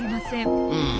うん。